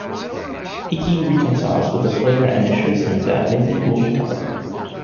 Iggy reconciles with the player and assures him that Mindy will recover.